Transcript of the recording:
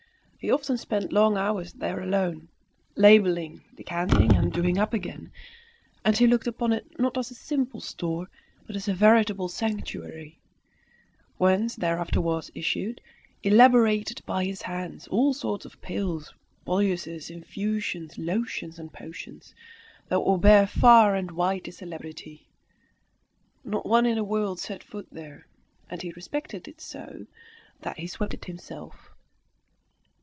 He often spent long hours there alone, labelling, decanting, and doing up again; and he looked upon it not as a simple store, but as a veritable sanctuary, whence there afterwards issued, elaborated by his hands, all sorts of pills, boluses, infusions, lotions, and potions, that would bear far and wide his celebrity. No one in the world set foot there, and he respected it so, that he swept it himself.